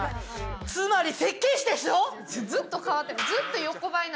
つまり設計士でしょ？